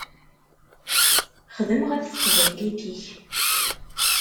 Xdem ɣef teqbaylit-ik.